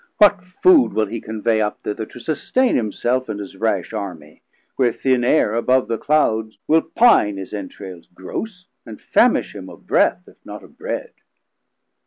what food Will he convey up thither to sustain Himself and his rash Armie, where thin Aire Above the Clouds will pine his entrails gross, And famish him of Breath, if not of Bread?